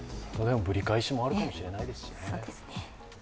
ぶり返しもあるかもしれないですしね。